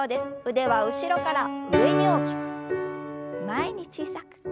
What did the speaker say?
腕は後ろから上に大きく前に小さく。